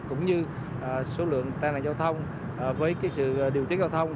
cũng như số lượng tai nạn giao thông với sự điều tiết giao thông